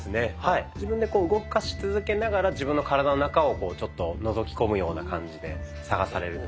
自分でこう動かし続けながら自分の体の中をちょっとのぞき込むような感じで探されるといいと思います。